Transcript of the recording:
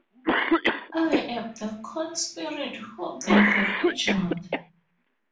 I am the corn spirit whom they have injured.